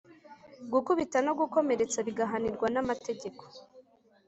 gukubita no gukomeretsa bigahanirwa nama tegeko